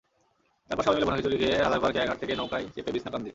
তারপর সবাই মিলে ভুনা খিচুড়ি খেয়ে হাদারপার খেয়াঘাট থেকে নৌকায় চেপে বিছনাকান্দি।